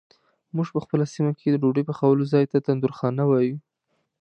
مونږ په خپله سیمه کې د ډوډۍ پخولو ځای ته تندورخانه وایو.